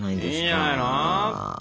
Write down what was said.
いいんじゃないの？